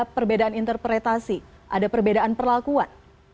perbedaan interpretasi ada perbedaan perlakuan